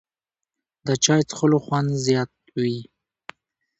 د چای څښلو خوند زیات وي